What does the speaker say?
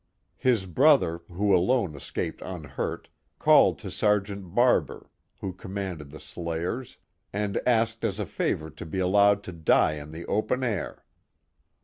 His brother, who alone escaped unhurt, called to Sergeant Baibour, who com manded the slayers, and asked as a favor to be allowed 10 die in the open air.